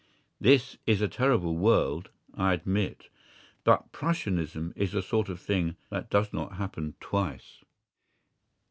This is a terrible world, I admit, but Prussianism is the sort of thing that does not happen twice.